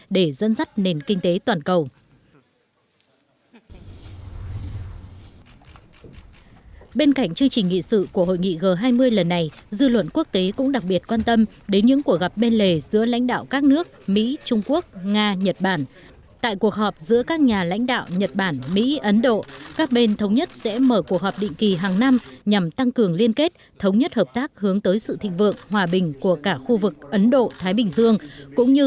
để dân dắt nền kinh tế toàn cầu